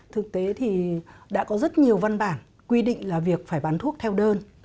thực tế thì đã có rất nhiều văn bản quy định là việc phải bán thuốc theo đơn